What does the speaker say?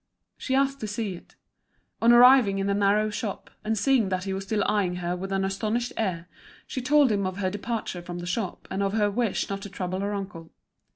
She asked to see it. On arriving in the narrow shop, and seeing that he was still eyeing her with an astonished air, she told him of her departure from the shop and of her wish not to trouble her uncle.